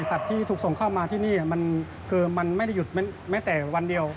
สัตว์ที่ถูกส่งเข้ามาที่นี่มันไม่ได้หยุดแม้แต่วันเดียว